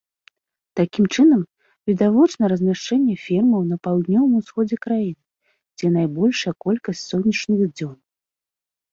Такім чынам, відавочна размяшчэнне фермаў на паўднёвым усходзе краіны, дзе найбольшая колькасць сонечных дзён.